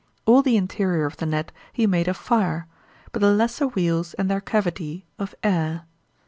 All the interior of the net he made of fire, but the lesser weels and their cavity, of air.